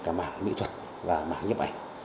đặc biệt là cả mạng mỹ thuật và mạng nhiếp ảnh